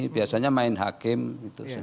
biasanya main hakim gitu